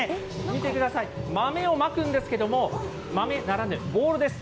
見てください、豆をまくんですけれども、豆ならぬボールです。